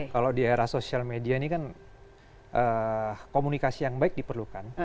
kalau di era sosial media ini kan komunikasi yang baik diperlukan